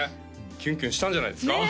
キュンキュンしたんじゃないですか？